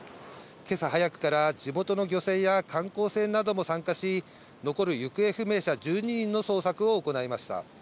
けさ早くから、地元の漁船や観光船なども参加し、残る行方不明者１２人の捜索を行いました。